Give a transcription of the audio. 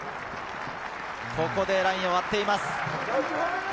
ここでラインを割っています。